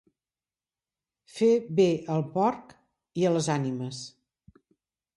Fer bé al porc i a les ànimes.